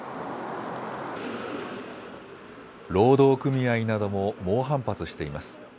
労働組合なども猛反発しています。